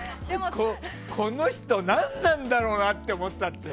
この人、何なんだろうなと思ったって。